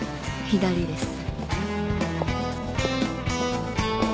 左です。